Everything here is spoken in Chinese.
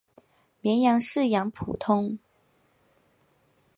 绵羊饲养普通。